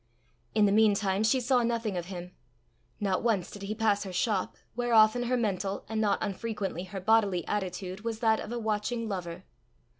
In the mean time she saw nothing of him. Not once did he pass her shop, where often her mental, and not unfrequently her bodily, attitude was that of a watching lover.